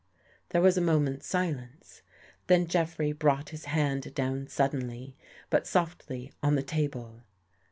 There was a moment's silence. Then Jeffrey brought his hand down suddenly, but softly, on the table.